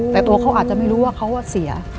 แต่ตัวเขาอาจจะไม่รู้ว่าเขาเสีย